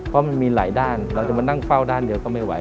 เพราะมันมีหลายด้านเราจะมานั่งเฝ้าด้านเดียวก็ไม่ไหว